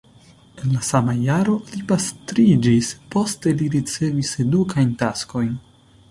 En la sama jaro li pastriĝis, poste li ricevis edukajn taskojn.